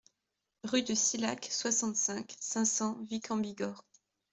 Rue de Silhac, soixante-cinq, cinq cents Vic-en-Bigorre